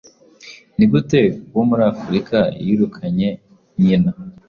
Nigute uwo muri Afrika yirukanyenyina